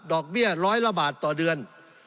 เบี้ยร้อยละบาทต่อเดือน